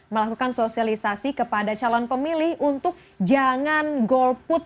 melakukan sosialisasi kepada calon pemilih untuk jangan golput